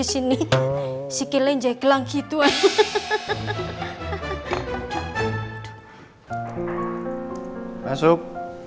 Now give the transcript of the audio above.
selamat siang pak